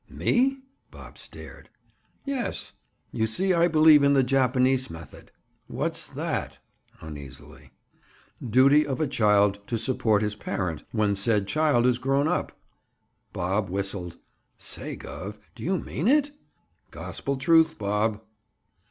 "Me?" Bob stared. "Yes. You see I believe in the Japanese method." "What's that?" Uneasily. "Duty of a child to support his parent, when said child is grown up!" Bob whistled. "Say, Gov., do you mean it?" "Gospel truth, Bob."